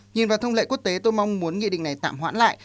nhìn vào thông lệ quốc tế tôi mong muốn nghị định này tạm hoãn lại